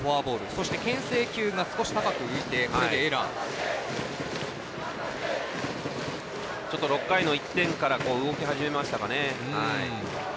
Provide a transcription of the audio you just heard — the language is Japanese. そしてけん制球が少し高く浮いて６回の１点から動き始めましたかね。